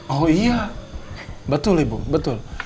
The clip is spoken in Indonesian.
oh iya betul ibu